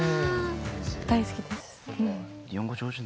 大好きです。